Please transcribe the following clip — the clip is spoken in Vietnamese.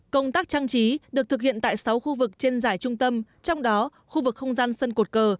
công tác trang trí được thực hiện tại sáu khu vực trên giải trung tâm trong đó khu vực không gian sân cột cờ